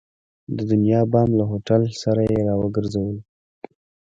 د دنیا بام له هوټل سره یې را وګرځولو.